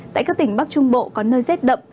tại các tỉnh bắc trung bộ có nơi rét đậm